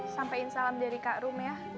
sampaiin salam dari kak rum ya